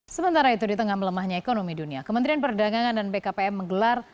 sementara itu di tengah melemahnya ekonomi dunia kementerian perdagangan dan bkpm menggelar